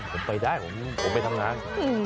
ผมไปได้ผมไปทำงาน